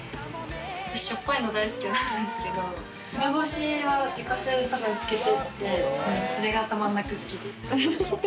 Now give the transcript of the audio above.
しょっぱいの大好きなんですけど、梅干しは自家製で多分漬けてて、それがたまらなく好きです。